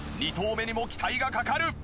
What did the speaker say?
２投目にも期待がかかる！